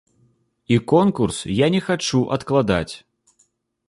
І конкурс я не хачу адкладаць.